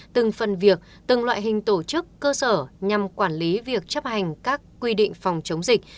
từng phần việc từng loại hình tổ chức cơ sở nhằm quản lý việc chấp hành các quy định phòng chống dịch